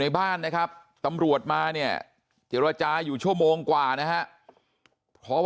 บ้านนะครับตำรวจมาเนี่ยเจรจาอยู่ชั่วโมงกว่านะฮะเพราะว่า